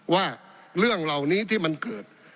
ว่าเรื่องเหล่านี้ที่มันเกิด